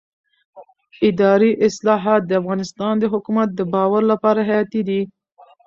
اداري اصلاحات د افغانستان د حکومت د باور لپاره حیاتي دي